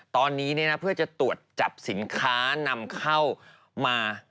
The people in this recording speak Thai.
ตอนนี้เพื่อจะตรวจจับสินค้านำเข้ามา